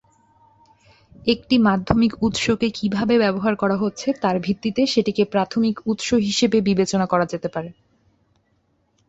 একটি মাধ্যমিক উৎসকে কীভাবে ব্যবহার করা হচ্ছে, তার ভিত্তিতে সেটিকে প্রাথমিক উৎস হিসেবে বিবেচনা করা যেতে পারে।